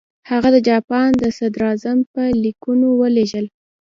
هغه د جاپان صدراعظم ته لیکونه ولېږل.